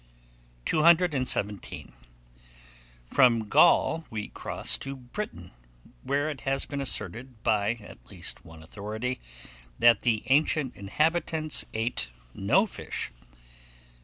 217. FROM GAUL WE CROSS TO BRITAIN, where it has been asserted, by, at least, one authority, that the ancient inhabitants ate no fish.